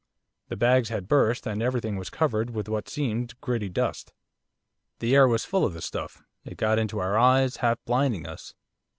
The bags had burst, and everything was covered with what seemed gritty dust. The air was full of the stuff, it got into our eyes, half blinding us.